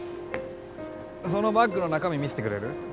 そのバッグの中身見せてくれる？